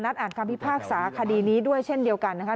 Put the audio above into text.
อ่านคำพิพากษาคดีนี้ด้วยเช่นเดียวกันนะคะ